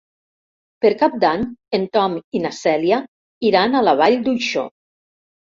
Per Cap d'Any en Tom i na Cèlia iran a la Vall d'Uixó.